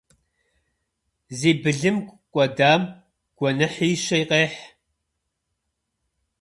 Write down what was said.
Зи былым кӏуэдам гуэныхьищэ къехь.